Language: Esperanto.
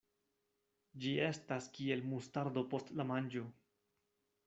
Ĝi estas kiel mustardo post la manĝo.